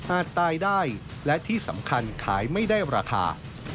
ตายได้และที่สำคัญขายไม่ได้ราคา